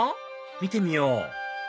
見てみよう！